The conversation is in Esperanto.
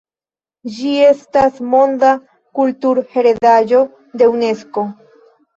Ĝi estas Monda Kulturheredaĵo de Unesko.